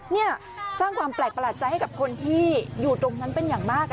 นี่สร้างความแปลกประหลาดใจให้กับคนที่อยู่ตรงนั้นเป็นอย่างมาก